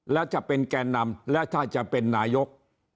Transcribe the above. แล้วจะเป็นแก่นำและถ้าจะเป็นนายก